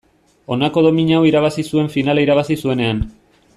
Honako domina hau irabazi zuen finala irabazi zuenean.